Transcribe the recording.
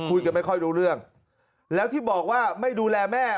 ไม่ค่อยรู้เรื่องแล้วที่บอกว่าไม่ดูแลแม่